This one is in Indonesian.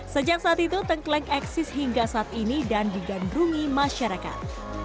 sejak saat itu tengkleng eksis hingga saat ini dan digandrungi masyarakat